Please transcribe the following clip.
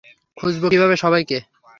খুঁজবো কিভাবে, সবাইকে?